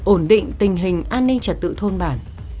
ổn định tình hình an ninh trật tự thôn bản